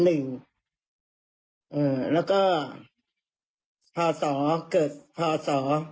เอ่อแล้วก็พ่อสอเกิดพ่อสอ๒๔๖๐๔๖๐